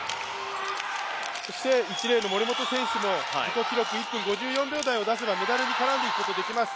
そして、１レーンの森本選手も自己記録１分５４秒台を出せばメダルに絡んでいくことはできます。